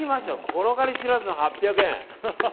転がり知らずの８００円。